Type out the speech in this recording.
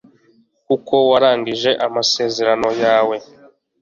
kuko warangije amasezerano yawe